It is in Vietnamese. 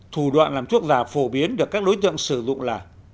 thủ đoạn làm thuốc giả phổ biến được các đối tượng sử dụng là